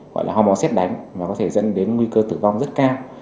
gọi là ho máu xét đánh và có thể dẫn đến nguy cơ tử vong rất cao